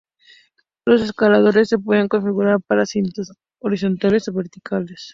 Los escaladores se pueden configurar para cintas horizontales o verticales.